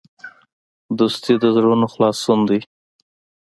دوستي د زړونو خلاصون دی.